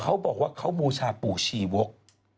เขาบอกว่าเขาบูชาปู่ชีวก